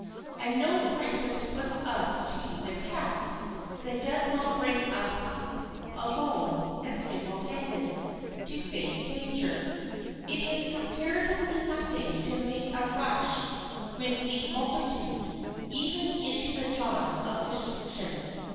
And no crisis puts us to the test that does not bring us up, alone and single handed, to face danger. It is comparatively nothing to make a rush with the multitude, even into the jaws of destruction.